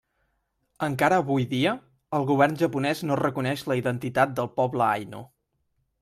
Encara avui dia, el Govern japonès no reconeix la identitat del poble ainu.